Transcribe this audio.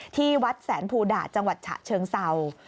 ที่วัดแสนภูดาจังหวัดฉะเชิงเศร้า